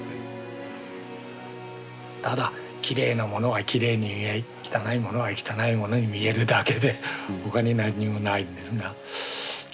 ただきれいなものはきれいに汚いものは汚いものに見えるだけで他に何にもないんですが。